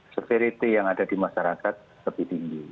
severity yang ada di masyarakat lebih tinggi